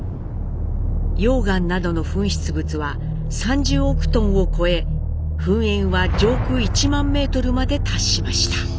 溶岩などの噴出物は３０億トンを超え噴煙は上空１万メートルまで達しました。